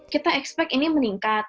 kita expect ini meningkat